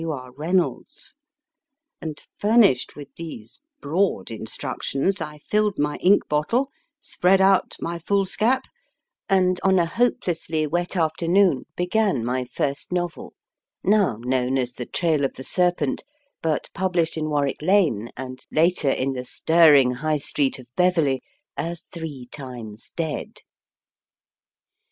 W. R. Rey nolds ; and, furnished with these broad instructions, I filled my ink bottle, spread out my foolscap, and, on a hopelessly wet afternoon, began my first novel now known as The Trail of the Serpent but published in Warwick Lane, and later in the stirring High Street of Beverley, as Three Times Dead.